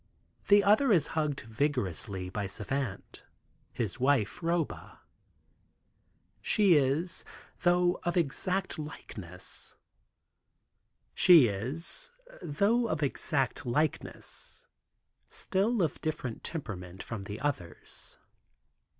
The other is hugged vigorously by Savant, his wife Roba. She is, though of exact likeness, still of different temperament from the others.